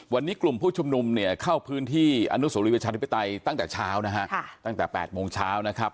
วันนี้กลุ่มผู้ชุมนุมเนี่ยเข้าพื้นที่อนุโสรีประชาธิปไตยตั้งแต่เช้านะฮะตั้งแต่๘โมงเช้านะครับ